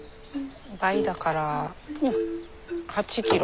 倍だから８キロ。